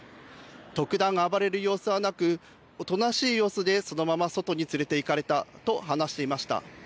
特段暴れる様子はなくおとなしい様子でそのまま外に連れて行かれたと話していました。